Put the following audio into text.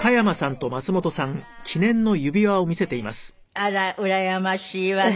あらうらやましいわね。